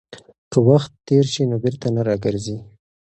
که وخت تېر شي نو بېرته نه راګرځي.